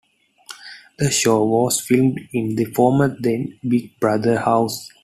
The show was filmed in the former then "Big Brother" House.